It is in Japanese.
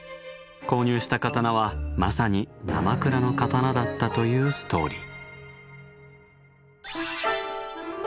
購入した刀はまさになまくらの刀だったというストーリー。